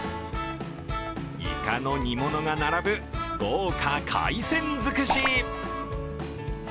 イカの煮物が並ぶ豪華海鮮づくし。